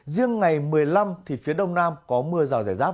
riêng ngày một mươi năm thì phía đông nam có mưa rào rải rác